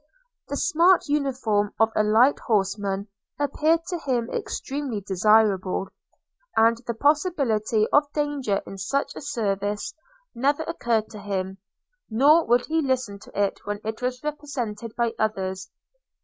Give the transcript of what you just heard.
The smart uniform of a light horseman appeared to him extremely desirable; and the possibility of danger in such a service never occurred to him, nor would he listen to it when it was represented by others.